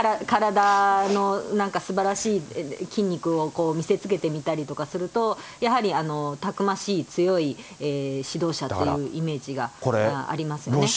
体のなんかすばらしい筋肉を見せつけてみたりとかすると、やはりたくましい、強い指導者っていうイメージがありますね。